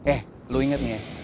eh lu inget nih ya